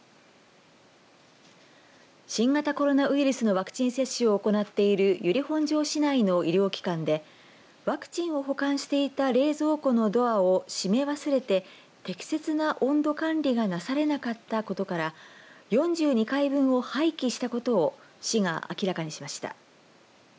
新型コロナウイルスのワクチン接種を行っている由利本荘市内の医療機関でワクチンを保管していた冷蔵庫のドアを閉め忘れて適切な温度管理がなされなかったことから４２回分を廃棄したことを市が明らかにしました。